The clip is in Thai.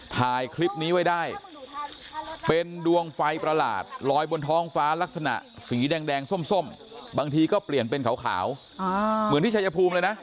ถ่ายคลิปนี้ไว้ได้เป็นดวงไฟประหลาดลอยบนท้องฟ้าลักษณะสีแดงส้มบางทีก็เปลี่ยนเป็นขาวเหมือนที่ชายภูมิเลยนะ